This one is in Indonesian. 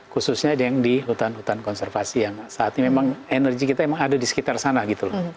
khususnya yang di hutan hutan konservasi yang saat ini memang energi kita memang ada di sekitar sana gitu loh